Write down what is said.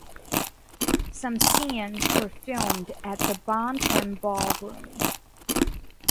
Some scenes were filmed at the Bon Ton Ballroom.